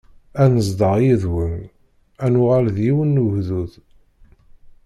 Ad nezdeɣ yid-wen, ad nuɣal d yiwen n ugdud.